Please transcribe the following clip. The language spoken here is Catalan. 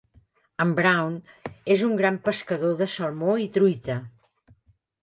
En Brawn és un gran pescador de salmó i truita.